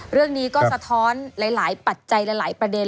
เรื่องนี้ก็สะท้อนหลายปัจจัยหลายประเด็น